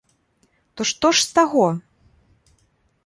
То што ж з таго?